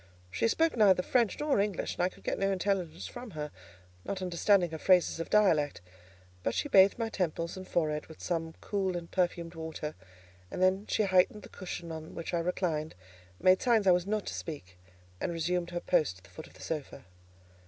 She spoke neither French nor English, and I could get no intelligence from her, not understanding her phrases of dialect. But she bathed my temples and forehead with some cool and perfumed water, and then she heightened the cushion on which I reclined, made signs that I was not to speak, and resumed her post at the foot of the sofa.